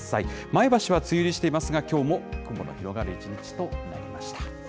前橋は梅雨入りしていますが、きょうも雲が広がる一日となりました。